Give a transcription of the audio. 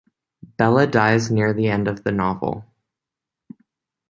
Bella dies near the end of the novel.